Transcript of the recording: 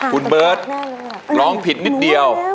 คุณเบิร์ตร้องผิดนิดเดียว